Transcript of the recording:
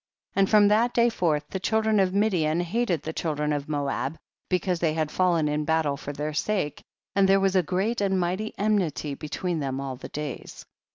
And from that day forth, the children of Midian hated the children of Moab, because they had fallen in battle for their sake, and there was a great and mighty enmity betweerf them all the days.